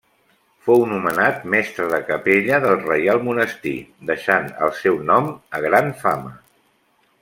Fou nomenat mestre de capella del Reial Monestir, deixant el seu nom a gran fama.